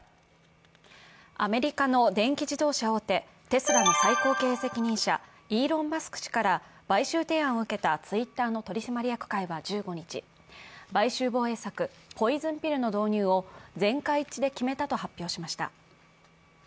アメリカの電気自動車大手テスラの最高経営責任者、イーロン・マスク氏から買収提案を受けたツイッターの取締役会は１５日、買収防衛策、ポイズンピルの導入を全会一致で決めたと発表しました。